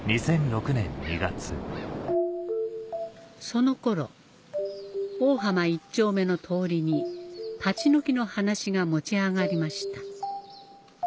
その頃大浜一丁目の通りに立ち退きの話が持ち上がりました